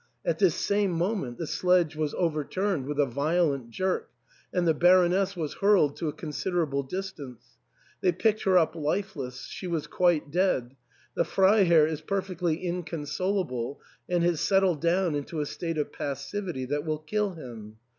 At this same moment the sledge was overturned with a violent jerk, and the Baroness was hurled to a considerable distance. They picked her up lifeless — she was quite dead. The Freiherr is perfectly incon solable, and has settled down into a state of passivity that will kill him.